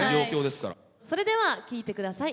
それでは聴いて下さい。